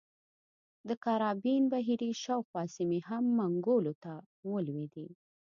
د کارابین بحیرې شاوخوا سیمې هم منګولو ته ولوېدې.